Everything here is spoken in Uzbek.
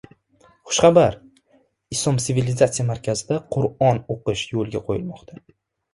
Xushxabar: Islom sivilizatsiyasi markazida Qur’on o‘qitish yo‘lga qo‘yilmoqda